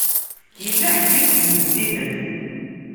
Yella ḥedd i yettnezzihen.